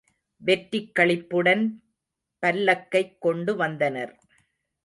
வெற்றிக் களிப்புடன் பல்லக்கைக் கொண்டு வந்தனர்.